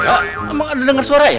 oh emang ada denger suara ya